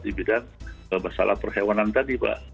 di bidang masalah perhewanan tadi pak